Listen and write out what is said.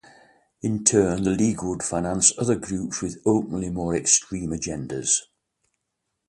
In turn, the League would finance other groups with openly more extreme agendas.